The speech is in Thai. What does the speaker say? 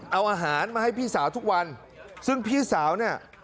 เอาอาหารมาให้พี่สาวทุกวันซึ่งพี่สาวเนี่ย